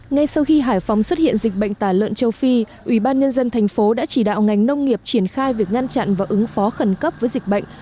ngay sau khi hải phòng xuất hiện dịch bệnh tả lợn châu phi ubnd thành phố đã chỉ đạo ngành nông nghiệp triển khai việc ngăn chặn và ứng phó khẩn cấp với dịch bệnh